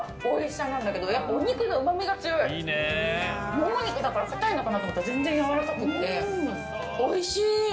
モモ肉だから硬いのかなと思ったら全然やわらかくて、おいしい。